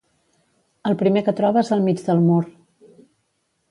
El primer que trobes al mig del mur.